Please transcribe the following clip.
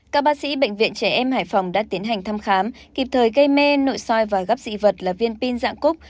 các bác sĩ bệnh viện trẻ em hải phòng đã tiến hành thăm khám kịp thời gây mê nội soi và gấp dị vật là viên pin dạng cúc